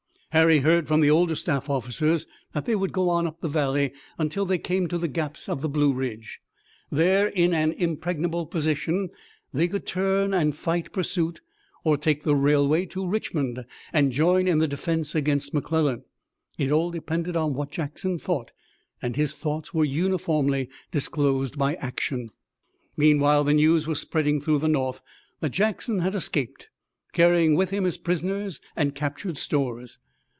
Harry heard from the older staff officers that they would go on up the valley until they came to the Gaps of the Blue Ridge. There in an impregnable position they could turn and fight pursuit or take the railway to Richmond and join in the defense against McClellan. It all depended on what Jackson thought, and his thoughts were uniformly disclosed by action. Meanwhile the news was spreading through the North that Jackson had escaped, carrying with him his prisoners and captured stores.